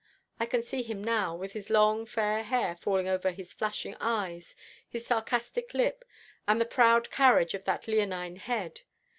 I can see him now, with his long fair hair falling over his flashing eyes, his sarcastic lip, and the proud carriage of that leonine head.